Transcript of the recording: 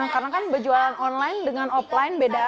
karena kan berjualan online dengan offline beda